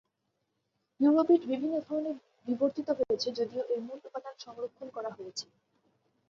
ইউরোবিট বিভিন্ন ধরনে বিবর্তিত হয়েছে, যদিও এর মূল উপাদান সংরক্ষণ করা হয়েছে।